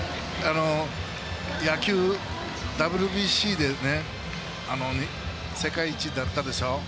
野球、ＷＢＣで世界一だったでしょう。